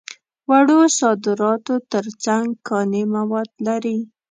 وړو صادراتو تر څنګ کاني مواد لري.